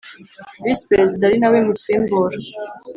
Visi perezida ari nawe Musimbura